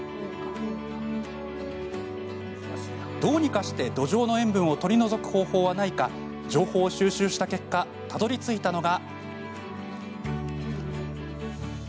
どうにかして土壌の塩分を取り除く方法はないか情報を収集した結果たどりついたのが。